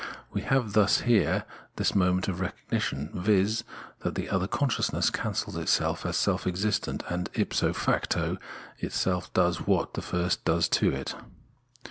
We have thus here this moment of recognition, viz. that the other con sciousness cancels itself as self existent, and, ipso facto, itself does what the first does to it.